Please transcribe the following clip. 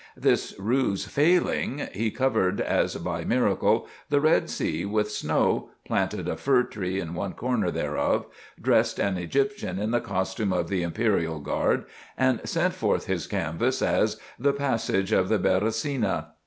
This ruse failing, he covered, as by miracle, the Red Sea with snow, planted a fir tree in one corner thereof, dressed an Egyptian in the costume of the Imperial Guard, and sent forth his canvas as "The Passage of the Beresina."